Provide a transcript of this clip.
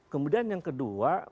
kemudian yang kedua